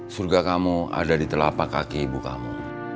surga kamu ada di telapak kaki ibu kamu